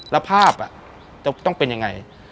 แล้วภาพจะต้องเป็นยังไง